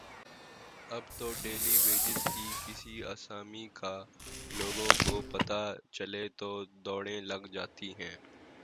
اب تو daily wages کی کسی آسامی کا لوگوں کو پتہ چلے تو دوڑیں لگ جاتی ہیں۔